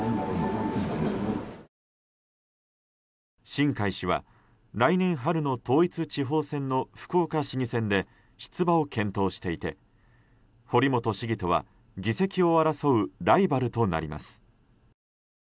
新開氏は来年春の統一地方選の福岡市議選で出馬を検討していて堀本市議とは議席を争うライバルとなります。